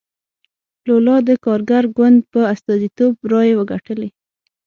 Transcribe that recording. لولا د کارګر ګوند په استازیتوب رایې وګټلې.